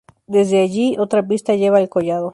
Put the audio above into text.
Desde allí, otra pista lleva al collado.